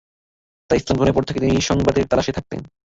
তাই ইসলাম গ্রহণের পর থেকেই তিনি সংবাদের তালাশে থাকতেন।